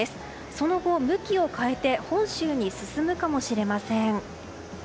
その後、向きを変えて本州に進むかもしれません。